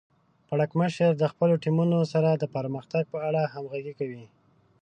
پړکمشر د خپلو ټیمونو سره د پرمختګ په اړه همغږي کوي.